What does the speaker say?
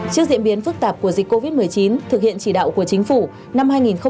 trước diễn biến phức tạp của dịch covid một mươi chín thực hiện chỉ đạo của chính phủ